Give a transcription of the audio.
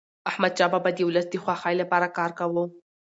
احمدشاه بابا د ولس د خوښی لپاره کار کاوه.